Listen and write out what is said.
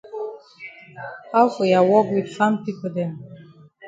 How for ya wok wit farm pipo dem?